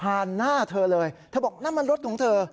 หน้าเธอเลยเธอบอกนั่นมันรถของเธอ